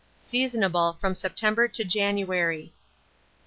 Seasonable from September to January.